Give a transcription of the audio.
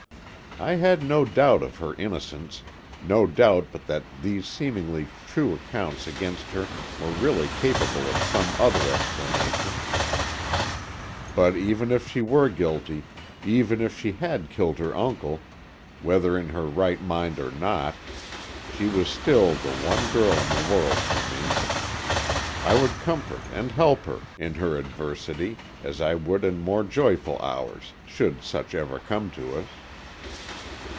I had no doubt of her innocence, no doubt but that these seemingly true counts against her were really capable of some other explanation, but even if she were guilty, even if she had killed her uncle, whether in her right mind or not, she was still the one girl in the world for me. I would comfort and help her in her adversity as I would in more joyful hours, should such ever come to us.